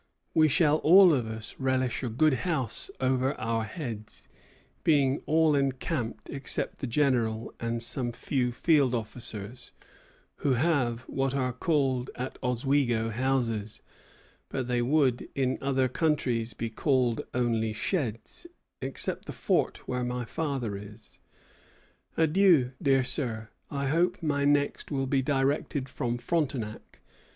We shall all of us relish a good house over our heads, being all encamped, except the General and some few field officers, who have what are called at Oswego houses; but they would in other countries be called only sheds, except the fort, where my father is. Adieu, dear sir; I hope my next will be directed from Frontenac.